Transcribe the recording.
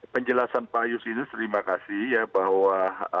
penjelasan pak yusinus terima kasih ya bahwa